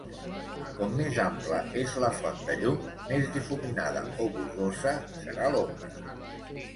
Com més ampla és la font de llum, més difuminada o borrosa serà l'ombra.